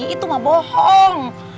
itu mah bohong